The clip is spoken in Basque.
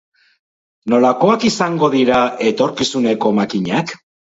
Nolakoak izango dira etorkizuneko makinak?